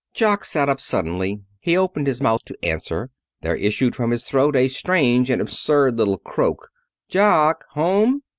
Jock sat up suddenly. He opened his mouth to answer. There issued from his throat a strange and absurd little croak. "Jock! Home?"